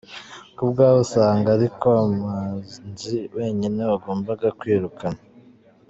Ku bwawe usanga ari Kamanzi wenyine wagombaga kwirukanwa?